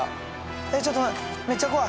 えちょっとめっちゃ怖い。